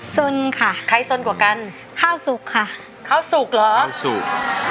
สนค่ะใครสนกว่ากันข้าวสุกค่ะข้าวสุกเหรอข้าวสุก